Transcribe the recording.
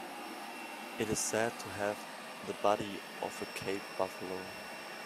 It is said to have the body of a cape buffalo.